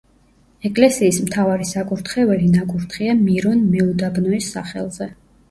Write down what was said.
ეკლესიის მთავარი საკურთხეველი ნაკურთხია მირონ მეუდაბნოეს სახელზე.